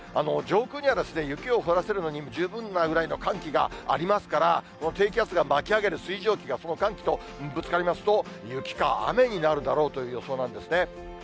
上空には雪を降らせるのに十分なぐらいの寒気がありますから、この低気圧が巻き上げる水蒸気がこの寒気とぶつかりますと、雪か雨になるだろうという予想なんですね。